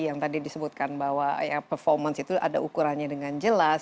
yang tadi disebutkan bahwa ya performance itu ada ukurannya dengan jelas